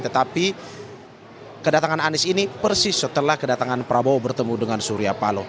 tetapi kedatangan anies ini persis setelah kedatangan prabowo bertemu dengan surya paloh